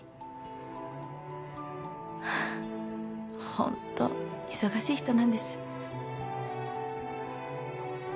ホント忙しい人なんです。